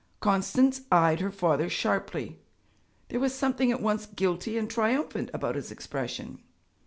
Constance eyed her father sharply. There was something at once guilty and triumphant about his expression.